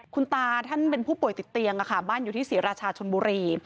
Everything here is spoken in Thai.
คุณตาท่านเป็นผู้ป่วยติดเตียงบ้านอยู่ที่ศรีราชาชนบุรี